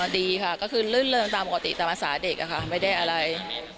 ดีค่ะก็คือลื่นเริงตามปกติตามภาษาเด็กค่ะไม่ได้อะไร